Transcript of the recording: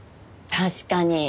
確かに。